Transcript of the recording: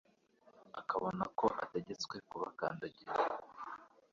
akabona ko ategetswe kubakandagira